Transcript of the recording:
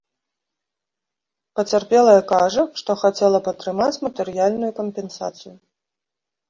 Пацярпелая кажа, што хацела б атрымаць матэрыяльную кампенсацыю.